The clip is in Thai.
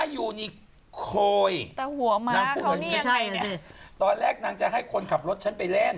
เดี๋ยวนะนางพูดนี่อะไรเนี่ยตอนแรกนางจะให้คนขับรถฉันไปเล่น